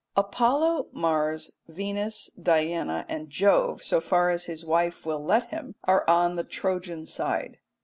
Apollo, Mars, Venus, Diana, and Jove, so far as his wife will let him, are on the Trojan side.